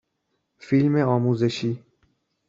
فیلم آموزشی